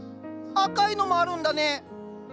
赤いのもあるんだね！